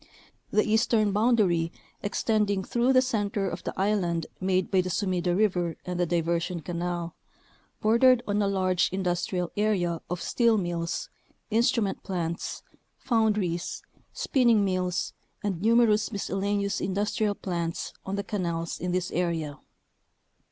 The eastern boundary, extending through the center of the island made by the Sumida River and the Diver sion Canal, bordered on a large industrial area of steel mills, instrument plants, foundries, spinning mills, and numerous miscellaneous in dustrial plants on the canals in this area.